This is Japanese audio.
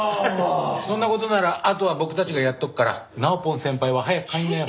そんな事ならあとは僕たちがやっとくからなおぽん先輩は早く帰りなよ。